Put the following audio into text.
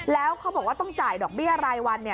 แล้วเขาบอกว่าต้องจ่ายดอกเบี้ยรายวัน